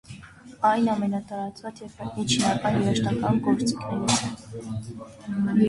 Այն ամենատարածված և հայտնի չինական երաժշտական գործիքներից է։